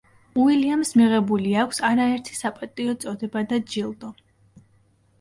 უილიამსს მიღებული აქვს არაერთი საპატიო წოდება და ჯილდო.